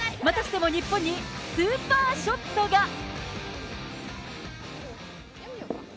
またしても日本にスーパーショットが。